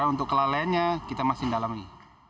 untuk kelalaiannya kita masih dalam ini